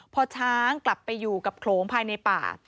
พอช้างกลับไปอยู่กับโขลงภายในป่า